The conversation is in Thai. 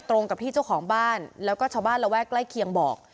ตรงกับที่เจ้าของบ้านแล้วก็ชาวบ้านระแวกใกล้เคียงบอก